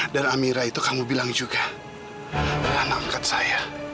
dan amira itu kamu bilang juga adalah anak angkat saya